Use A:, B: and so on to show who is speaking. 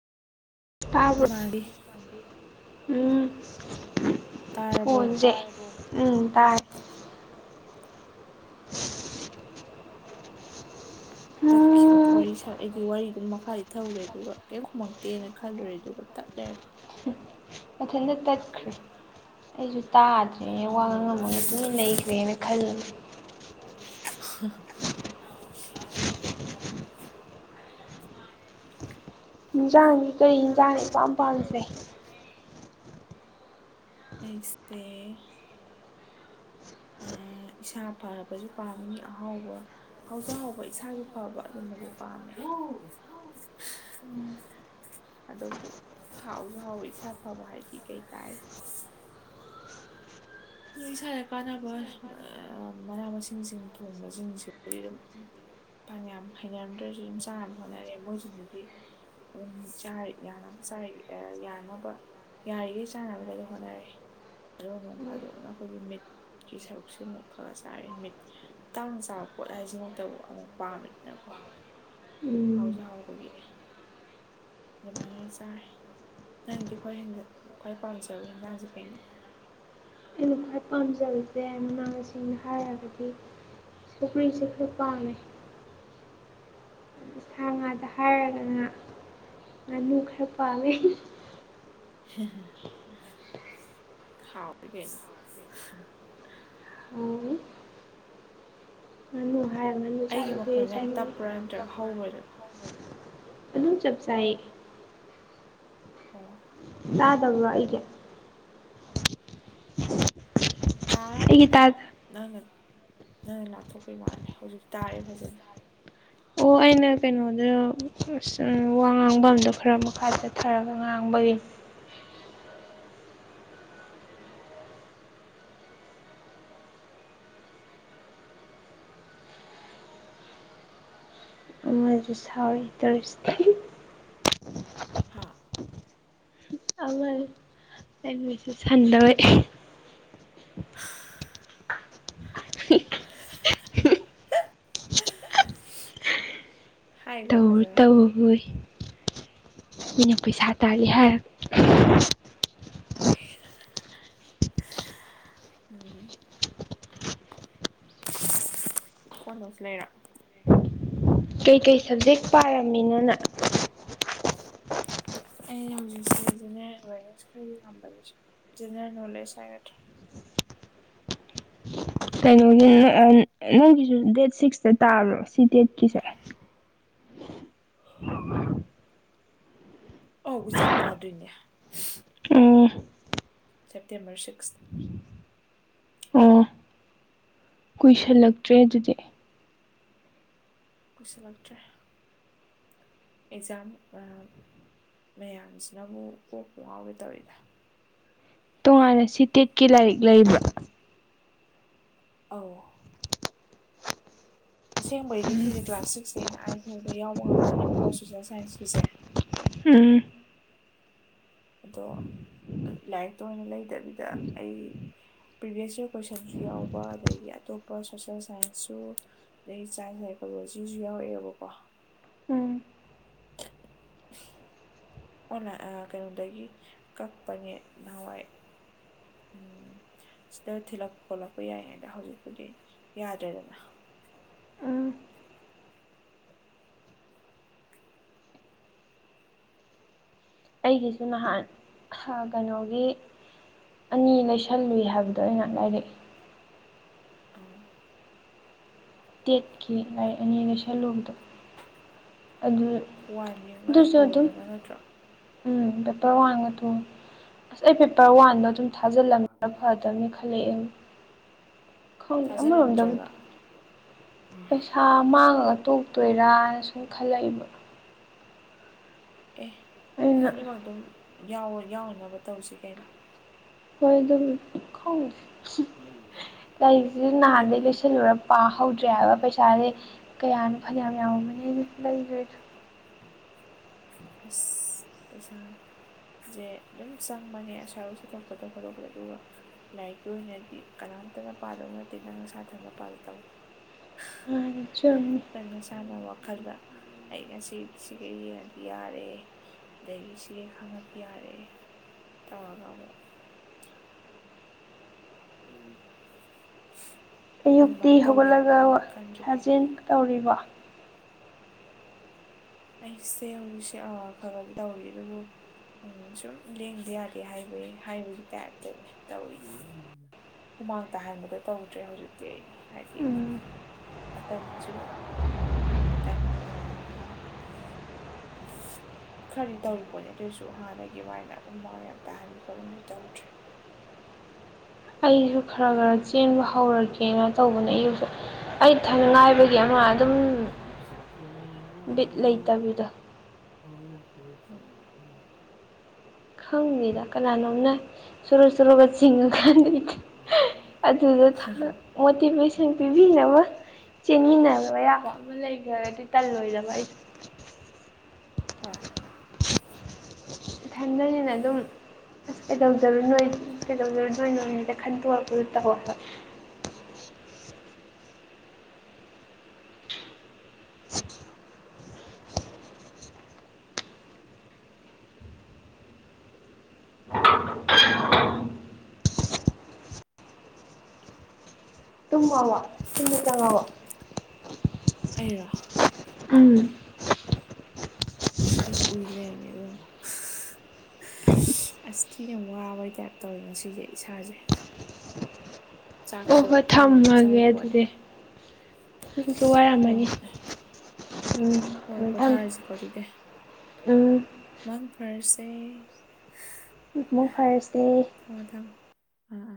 A: ꯕ
B: ꯃꯥꯜꯂꯤ
A: ꯎꯝ
B: ꯇꯥꯔꯕꯣ
A: ꯍꯣꯟꯁꯦ ꯎꯝ ꯇꯥꯏ [unintelligible]
B: ꯇꯥꯛ ꯀꯈꯤꯕ
A: ꯎꯝ
B: ꯄꯁꯠ ꯑꯩꯗꯤ ꯋꯥꯔꯤꯗꯨꯝ ꯃꯈꯥ ꯏ ꯊꯧꯔꯨꯔꯦ ꯑꯗꯨꯒ ꯀꯔꯤ ꯈꯨꯝꯃꯛꯇꯦꯅ ꯈꯜꯂꯨꯔꯦ ꯑꯗꯨꯒ ꯇꯠꯂ
A: ꯑ ꯅꯠꯇ
B: ꯍꯜꯂꯣ
A: ꯑꯩꯁꯨ ꯇꯥꯗ꯭ꯔꯦꯅꯦ ꯋꯥ ꯉꯥꯡ
B: ꯂꯩꯔꯝꯃꯦ
A: ꯉꯝꯃꯒ ꯇꯨꯃꯤꯟꯅ ꯂꯩꯈ꯭ꯔꯦꯅ ꯈꯜꯂꯦꯕ
B: [inaudible]
A: ꯌꯦꯟꯖꯥꯡꯁꯤ ꯀꯔꯤ ꯌꯦꯟꯖꯥꯡꯅꯤꯄꯥꯝ ꯄꯥꯝꯖꯩ
B: ꯑꯁꯦ ꯏꯁꯥ ꯐꯕꯁꯨ ꯄꯥꯝꯃꯤ ꯑꯍꯥꯎꯕ ꯍꯥꯎꯖ ꯍꯥꯎꯕ ꯏꯁꯥꯒꯤ ꯐꯕ ꯑꯗꯨꯝꯕꯁꯦ ꯄꯥꯝꯃꯦ ꯑꯗꯨꯕꯨ ꯍꯥꯎꯁꯨ ꯍꯥꯎꯋ ꯏꯁꯥ ꯐꯕ ꯍꯥꯏꯗꯤ ꯀꯩ ꯇꯥꯏ ꯑꯩ ꯏꯁꯥꯗ ꯀꯥꯟꯅꯕ ꯃꯅꯥ ꯃꯁꯤꯡꯁꯤꯡ ꯊꯣꯡꯕꯁꯤꯡꯁꯤꯕꯨꯝ ꯥꯟ ꯌꯥꯝꯌꯥꯝ ꯍꯩꯅꯔꯝꯗ꯭ꯔꯁꯨ ꯑꯗꯨꯝ ꯆꯥꯅꯕ ꯍꯣꯠꯅꯔꯦ ꯃꯣꯏꯁꯤꯡꯗꯨꯗꯤ ꯌꯥꯅꯕ ꯆꯥꯏ ꯌꯥꯅꯕ ꯌꯥꯔꯤꯈꯩ ꯆꯥꯟꯅꯕꯗ ꯑꯗꯨ ꯍꯣꯠꯅꯔꯦ ꯐꯥꯗꯣꯛꯅ ꯑꯩꯈꯣꯏꯒꯤ ꯃꯤꯠꯀꯤ ꯁꯔꯨꯛꯁꯦ ꯑꯃꯨꯛ ꯈꯔ ꯆꯥꯏꯔꯦ ꯃꯤꯠ ꯇꯥꯡ ꯆꯥꯕ ꯄꯣꯠ ꯍꯥꯏꯁꯤꯃꯛꯇꯕꯨ ꯑꯃꯨꯛ ꯄꯥꯝꯃꯤꯗꯅꯀꯣ
A: ꯎꯝ
B: ꯍꯥꯎꯖ ꯍꯥꯎꯕꯒꯤ ꯑꯗꯨꯃꯥꯏꯅ ꯑꯣꯏꯅ ꯆꯥꯔꯦ ꯅꯪꯗꯤ ꯈ꯭ꯋꯥꯏ ꯍ ꯈ꯭ꯋꯥꯏ ꯄꯥꯝꯖꯕ ꯌꯦꯟꯖꯥꯡꯁꯦ ꯀꯩꯅꯣ
A: ꯑꯩꯅ ꯈ꯭ꯋꯥꯏ ꯄꯥꯝꯖꯕꯁꯦ ꯃꯃꯥꯡꯁꯤꯡ ꯍꯥꯏꯔꯔꯕꯗꯤ ꯁꯨꯈ꯭ꯔꯤꯁꯦ ꯈ ꯄꯥꯝꯃꯦ ꯁꯥ ꯉꯥꯗ ꯍꯥꯏꯔꯒꯅ ꯉꯥꯅꯨ ꯈꯔ ꯄꯥꯝꯋꯦ
B: ꯍꯥꯎ ꯀꯩꯅꯩꯅ
A: ꯃ ꯍꯥꯏꯅꯤ
B: ꯑꯩꯒꯤ ꯃꯈꯣꯟꯗ ꯌꯥꯝ ꯇꯞꯄ꯭ꯔꯥ ꯅꯠꯇ꯭ꯔꯒ ꯍꯧꯕ꯭ꯔꯥ ꯑꯗꯨꯝ
A: ꯑꯗꯨ ꯆꯞ ꯆꯥꯏ
B: ꯑꯣ
A: ꯌꯥꯗꯋꯥ ꯑꯩꯒ ꯑꯩꯒꯤ
B: ꯇꯥꯔꯝꯅꯤꯗ
A: ꯇꯥꯗ
B: ꯅꯪꯅ ꯅꯪꯅ ꯂꯥꯞꯊꯣꯛꯄꯩ ꯃꯥꯜꯂꯦ ꯍꯧꯖꯤꯛ ꯇꯥꯔꯦ ꯐꯖꯅ
A: ꯑꯣ ꯑꯩꯅ ꯀꯩꯅꯣꯗ ꯋꯥ ꯉꯥꯡꯐꯝꯗꯣ ꯈꯔ ꯃꯈꯥ ꯆꯠꯊꯔꯒ ꯉꯥꯡꯕꯒꯤ ꯃꯖꯤ ꯊ ꯇꯔꯁꯇ
B: ꯍꯥꯥ
A: ꯑꯁꯨ ꯊꯥꯟꯗꯥ ꯑꯣꯏ
B: ꯍꯥꯏꯈꯣ
A: ꯇꯧꯔ
B: ꯐꯖꯅ
A: ꯇꯧꯏ ꯃꯤꯅ ꯄꯩꯁꯥ ꯇꯥꯔꯤ ꯍꯥꯏꯔ
B: ꯎꯝꯝ ꯐꯣꯟꯗꯧꯁꯨ ꯂꯩꯔ
A: ꯀꯩꯀꯩ ꯁꯕꯖꯦꯛ ꯄꯥꯏꯔꯝꯃꯤꯅꯅ
B: ꯑꯩ ꯍꯧꯖꯤꯛꯁꯤꯗꯤ ꯖꯦꯅꯦꯔꯦꯜ ꯑꯦꯋꯥꯦꯔꯅꯦꯁ ꯈꯔꯗꯤ ꯄꯝꯕꯅꯦ ꯁ ꯖꯦꯅꯦꯔꯦꯜ ꯅꯣꯂꯦꯖ ꯍꯥꯏꯒꯗ꯭ꯔꯥ
A: ꯀꯩꯅꯣꯒꯤ ꯅꯪꯒꯤꯁꯨ ꯗꯦꯠ ꯁꯤꯛꯁꯇ ꯇꯥꯕ꯭ꯔꯣ ꯁꯤ ꯗꯦꯠꯀꯤꯁꯦ ꯑ
B: ꯑꯕꯨ ꯆꯞ ꯃꯥꯟꯅꯗꯣꯏꯅꯦ
A: ꯎꯝ
B: ꯁꯦꯞꯇꯦꯝꯕꯔ ꯁꯤꯛꯁ
A: ꯑꯣ ꯀꯨꯏꯁꯜꯂꯛꯇ꯭ꯔꯦ ꯑꯗꯨꯗꯤ
B: ꯀꯨꯁꯤꯜꯂꯛꯇ꯭ꯔꯦ ꯑꯦꯛꯖꯥꯝ ꯃꯌꯥꯝꯁꯤꯅꯕꯨ ꯀꯣꯛꯄ ꯉꯥꯎꯋ ꯇꯧꯋꯤꯗ
A: ꯇꯣꯉꯥꯟꯅ ꯁꯤꯇꯦꯠꯀꯤ ꯂꯥꯏꯔꯤꯛ ꯂꯩꯕ꯭ꯔ
B: ꯑꯧ ꯑꯁꯦꯡꯕꯩꯗꯤ
A: ꯎꯝ
B: ꯁꯤꯁꯦ ꯀ꯭ꯂꯥꯁ ꯁꯤꯛꯁꯇꯩꯅ ꯑꯥꯏ ꯐꯥꯎꯗ ꯌꯥꯎꯕ ꯉꯥꯛꯇꯣꯏꯅꯦ ꯕꯤꯀꯣꯁ ꯁꯣꯁꯦꯜ ꯁꯥꯏꯟꯁꯀꯤꯁꯦ
A: ꯎꯝ
B: ꯑꯗꯣ ꯂꯥꯏꯔꯤꯛꯇ ꯑꯣꯏꯅ ꯂꯩꯗꯕꯤꯗ ꯑꯩ ꯄ꯭ꯔꯤꯚꯌꯁ ꯏꯔ ꯀꯣꯏꯁꯟꯁꯨ ꯌꯥꯎꯕ ꯑꯗꯒꯤ ꯑꯇꯣꯞꯄ ꯁꯣꯁꯦꯜ ꯁꯥꯏꯟꯁꯁꯨ ꯑꯗꯗꯒꯤ ꯆꯥꯏꯜ ꯁꯥꯏꯀꯣꯂꯣꯖꯤꯁꯨ ꯌꯥꯎꯔꯛꯑꯦꯕꯀꯣ
A: ꯎꯝ
B: ꯑꯣꯟꯂꯥꯏ ꯀꯩꯅꯣꯗꯒꯤ ꯀꯛꯄꯅꯦ ꯅꯍꯥꯟꯋꯥꯏ ꯎꯝ ꯁꯤꯗ ꯊꯤꯜꯂꯛꯄ ꯈꯣꯠꯂꯛꯄ ꯌꯥꯏꯉꯩꯗ ꯍꯧꯖꯤꯛꯄꯨꯗꯤ ꯌꯥꯗ꯭ꯔꯦꯗꯅ
A: ꯎꯝ ꯑꯩꯒꯤꯁꯨ ꯅꯍꯥꯟ ꯀꯩꯅꯣꯒꯤ ꯑꯅꯤ ꯂꯩꯁꯜꯂꯨꯏ ꯍꯥꯏꯕꯗꯣ ꯑꯩꯅ ꯂꯥꯏꯔꯛꯏ
B: ꯑ
A: ꯇꯦꯠꯈꯤ ꯂꯥꯏꯔꯤꯛ ꯑꯅꯤꯒ ꯁꯦꯂꯨꯕꯗꯣ ꯑꯗꯨ
B: ꯋꯥꯟ ꯌꯦꯡꯉ
A: ꯑꯗꯨꯁꯨ
B: ꯇꯨ
A: ꯑꯗꯨꯝ
B: ꯌꯦꯡꯉ ꯅꯠꯇ꯭ꯔꯣ
A: ꯎꯝ ꯄꯦꯄꯔ ꯋꯥꯟꯒ ꯊꯣꯡꯉ ꯑꯁ ꯑꯩ ꯄꯦꯄꯔ ꯋꯥꯟꯗꯣ ꯑꯗꯨꯝ ꯊꯥꯖꯤꯜꯂꯝꯃꯦꯔ ꯐꯗꯕꯅꯤ ꯈ ꯍꯂꯛ ꯑ ꯈꯪꯅꯤꯡ ꯑꯃꯔꯣꯝꯗꯕꯨ
B: ꯊꯥꯖꯤꯜꯂꯝꯗ꯭ꯔꯒ
A: ꯄꯩꯁꯥ ꯃꯥꯡꯉꯒ ꯇꯣꯛꯇꯣꯏꯔꯥꯅ ꯁꯨꯝ ꯈꯜꯂꯛꯏꯕ
B: ꯑꯦ
A: ꯑꯩꯅ
B: ꯑꯅꯤꯃꯛ ꯑꯗꯨꯝ ꯌꯥꯎꯍꯟꯅꯅꯕ ꯇꯧꯁꯤ ꯀꯩꯅꯣ
A: ꯍꯣꯏ ꯑꯗꯨꯝ ꯈꯣꯡꯒꯦ ꯂꯥꯏꯔꯤꯛꯁꯤꯁꯨ ꯅꯍꯥꯟꯗꯒꯤꯩ
B: ꯑꯩꯕꯨꯗꯤ
A: ꯂꯣꯏꯁꯤꯜꯂꯨꯔ ꯄꯥꯍꯧꯗ꯭ꯔꯦ ꯍꯥꯏꯕ ꯄꯩꯁꯥꯁꯦ ꯀꯌꯥ ꯐꯅꯌꯥꯝ ꯌꯥꯝꯃꯝꯃꯅꯤ ꯂꯩꯒ꯭ꯔꯤꯗꯨ꯫
B: ꯑꯁ ꯄꯩꯁꯥ ꯁꯦ ꯑꯗꯨꯝ ꯆꯪꯕꯅꯦ ꯑꯁ꯭ꯋꯥꯏꯐꯥꯎ ꯆꯠꯊꯣꯛ ꯈꯣꯠꯇꯣꯛꯄꯗ ꯑꯗꯨꯒ ꯂꯥꯏꯔꯤꯛꯀꯤ ꯑꯣꯏꯅꯗꯤ ꯀꯅꯥꯝꯇꯅ ꯄꯥꯗꯧ ꯅꯠꯇꯦ ꯅꯪ ꯅꯁꯥꯊꯅꯇ ꯄꯥꯖꯗꯧꯅꯤ꯫
A: ꯃꯥꯅꯦ ꯆꯨꯝꯃꯤ꯫
B: ꯅꯪ ꯅꯁꯥꯅ ꯋꯥꯈꯜꯗ ꯑꯩ ꯉꯁꯤ ꯁꯤꯒꯩ ꯌꯦꯡꯉꯗꯤ ꯌꯥꯔꯦ ꯑꯗꯒꯤ ꯁꯤꯒ ꯈꯪꯉꯄ ꯌꯥꯔꯦ ꯇꯧꯔꯒ ꯑꯃꯨꯛ ꯎꯝ [unintelligible]
A: ꯑꯌꯨꯛꯇꯤ ꯍꯧꯒꯠꯂꯒ
B: ꯈꯟꯗ꯭ꯔꯤꯉꯩ
A: ꯁꯥꯖꯦꯜ ꯇꯧꯔꯤꯕ?
B: ꯑꯩꯁꯦ ꯍꯧꯖꯤꯛꯁꯦ ꯑ ꯈꯒꯗꯤ ꯇꯧꯔꯤꯌꯦ ꯑꯗꯨꯕꯨ ꯎꯝ ꯁꯨꯝ ꯂꯦꯡꯗ ꯌꯥꯗꯦ ꯍꯥꯏꯕꯩ ꯍꯥꯏꯕꯒꯤ ꯇꯥꯏꯞꯇꯅꯦ ꯇꯧꯔꯤ꯫ ꯍꯨꯃꯥꯡ ꯇꯍꯟꯕꯗꯣ ꯇꯧꯗ꯭ꯔꯦ ꯍꯧꯖꯤꯛꯇꯤ ꯑꯩ ꯍꯥꯏꯗꯤ ꯑꯃ
A: ꯎꯝ
B: ꯃꯇꯝꯁꯨ ꯈꯤꯇꯡ ꯑ [unintelligible] [unintelligible] ꯈꯔꯗꯤ ꯇꯧꯔꯤꯄꯣꯠꯅꯦ ꯑꯗꯨꯑꯣꯏꯁꯨ ꯍꯥꯟꯅꯒꯤ ꯑꯗꯨꯃꯥꯏꯅ ꯍꯨꯃꯥꯡ ꯌꯥꯝ ꯇꯥꯍꯟꯕꯤ ꯈꯣꯠꯍꯟꯕꯤ ꯇꯧꯗ꯭ꯔꯦ꯫
A: ꯑꯩꯁꯨ ꯈꯔ-ꯈꯔ ꯆꯦꯟꯕ ꯍꯧꯔꯒꯦꯅ ꯇꯧꯕꯅꯦ ꯑꯌꯨꯛꯁꯨ꯫ ꯑꯩ ꯏꯊꯟ ꯉꯥꯏꯕꯒꯤ ꯑꯃ ꯑꯗꯨꯝ ꯕꯤꯠ ꯂꯩꯇꯕꯤꯗꯣ
B: [unintelligible]
A: ꯈꯪꯗꯦꯗ ꯀꯅꯥꯅꯣꯝꯅ ꯁꯨꯔ ꯁꯨꯔꯒ ꯆꯤꯡꯉꯀꯥꯟꯗ ꯑꯗꯨꯗ ꯃꯣꯇꯤꯚꯦꯁꯟ ꯄꯤꯕꯤꯅꯕ ꯆꯦꯟꯃꯤꯟꯅꯕ ꯌꯥꯕ ꯑꯃ ꯂꯩꯈ꯭ꯔꯒꯗꯤ ꯇꯜꯂꯣꯏꯗꯕ ꯑꯩꯗꯣ꯫
B: ꯍꯣꯏ
A: ꯏꯊꯟꯗꯅꯤꯅ ꯑꯗꯨꯝ ꯑꯁ ꯀꯩꯗꯧ -ꯅꯣꯏ-ꯅꯣꯏ ꯀꯩꯗꯧꯖꯔꯣꯏꯗꯩꯅꯣ ꯈꯟꯇꯣꯛꯄꯗꯣ ꯇꯧꯏ ꯍꯥꯏꯕ꯫ ꯇꯨꯝꯃꯕꯣ ꯇꯨꯝꯕ ꯆꯡꯉꯛꯑꯕ
B: ꯑꯩꯔꯣ?
A: ꯎꯝ꯫
B: ꯑꯩꯁꯦ ꯎꯏ ꯂꯩꯔꯝꯃꯦ ꯏꯕꯦꯝꯃ꯫ ꯑꯁ ꯊꯤꯅ ꯢ ꯋꯥꯕꯩ ꯇꯥꯏꯞ ꯇꯧꯋꯦ ꯉꯁꯤꯁꯦ ꯏꯁꯥꯁꯦ꯫
A: ꯑꯣ
B: ꯆꯥꯛꯁꯨ
A: ꯍꯣꯏ
B: ꯈꯔꯗꯤ ꯑꯗꯨꯝ
A: ꯊꯝꯃꯒꯦ
B: ꯆꯥꯔꯤ ꯄꯣꯠꯅꯤ
A: ꯑꯗꯨꯗꯤ ꯅꯪꯖꯨ
B: ꯍꯣꯏ
A: ꯋꯥꯔꯝꯃꯅꯤ꯫
B: ꯍꯣꯏ
A: ꯎꯝ
B: ꯍꯣꯏ
A: ꯊꯝꯃꯨ-ꯊꯝꯃꯨ
B: ꯄꯣꯊꯥꯔꯁꯤꯀꯣ
A: ꯎꯝ꯫
B: ꯃꯥꯡ ꯐꯔꯁꯦ꯫
A: ꯃꯪꯐꯔꯁꯦ꯫
B: ꯑꯣ ꯊꯝꯃꯣ ꯊꯝꯃꯣ ꯑ ꯑ